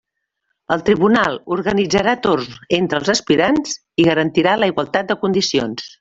El tribunal organitzarà torns entre els aspirants i garantirà la igualtat de condicions.